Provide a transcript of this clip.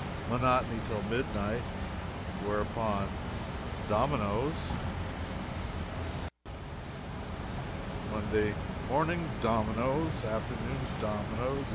Monotony till midnight. Whereupon, dominoes. "Monday Morning, dominoes. Afternoon, dominoes.